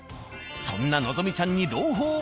そんな希ちゃんに朗報！